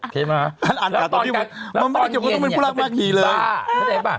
เคมะแล้วต้องเป็นคุณมากขี่เลย